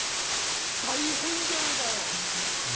大変じゃないかよ！